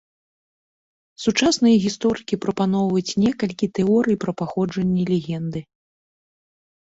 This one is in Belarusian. Сучасныя гісторыкі прапаноўваюць некалькі тэорый пра паходжанне легенды.